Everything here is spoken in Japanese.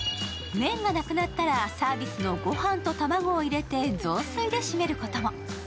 麺がなくなったらサービスのご飯と卵を入れて雑炊で締めることも。